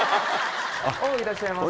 いらっしゃいませ。